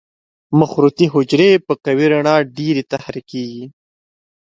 مخروطي حجرې په قوي رڼا ډېرې تحریکېږي.